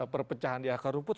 perpecahan di akar rumput